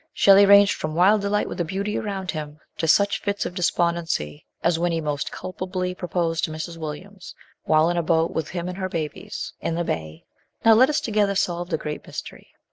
Shelley ranged from wild delight with the beauty around him, to such fits of despondencj r as when he most culp ably proposed to Mrs. Williams, while in a boat with him and her babies, in the bay "Now let us to gether solve the great mystery."